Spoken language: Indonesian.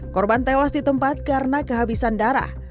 korban tewas di tempat karena kehabisan darah